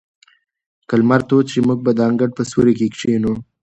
که لمر تود شي، موږ به د انګړ په سیوري کې کښېنو.